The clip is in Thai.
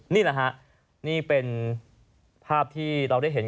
นี่แหละฮะนี่เป็นภาพที่เราได้เห็น